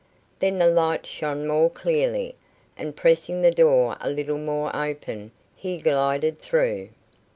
Then the light shone more clearly, and pressing the door a little more open, he glided through.